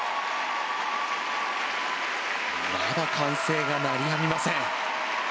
まだ歓声が鳴りやみません。